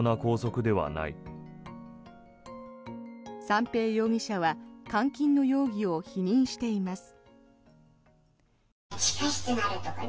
三瓶容疑者は監禁の容疑を否認しています。